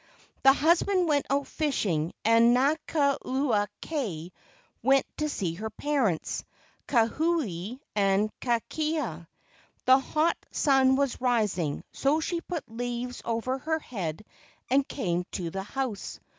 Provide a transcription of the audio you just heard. The husband went out fishing, and Nakula kai went to see her parents, Kahuli and Kakela. The hot sun was rising, so she put leaves over her head and came to the house.